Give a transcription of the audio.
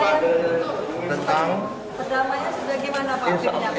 pertama yang sudah gimana pak